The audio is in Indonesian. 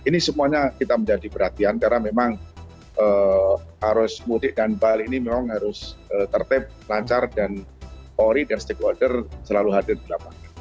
ini semuanya kita menjadi perhatian karena memang arus mudik dan balik ini memang harus tertib lancar dan polri dan stakeholder selalu hadir di lapangan